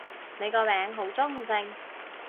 你個名好中性